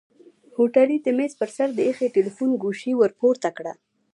هوټلي د مېز پر سر د ايښي تليفون ګوشۍ ورپورته کړه.